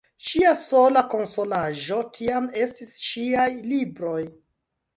Ŝia sola konsolaĵo tiam estis ŝiaj libroj.